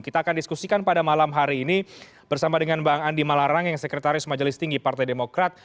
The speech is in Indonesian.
kita akan diskusikan pada malam hari ini bersama dengan bang andi malarang yang sekretaris majelis tinggi partai demokrat